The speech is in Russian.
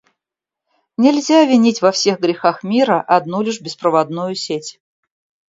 Нельзя винить во всех грехах мира одну лишь беспроводную сеть.